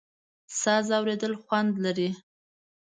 ساز اورېدل خوند لري.